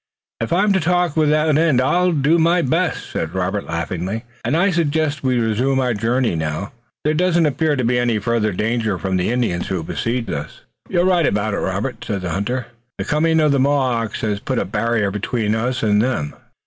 "If I'm to talk without end I'll do my best," said Robert, laughing, "and I suggest that we resume our journey now. There doesn't appear to be any further danger from the Indians who besieged us." "You're right about it, Robert," said the hunter. "The coming of the Mohawks has put a barrier between us and them.